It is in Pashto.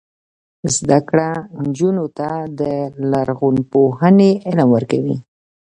زده کړه نجونو ته د لرغونپوهنې علم ورکوي.